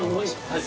はい。